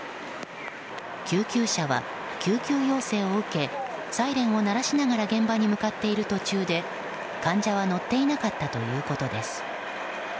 救急車は救急要請を受けサイレンを鳴らしながら現場に向かっている途中で患者は乗っていなかったということです。